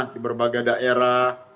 di berbagai daerah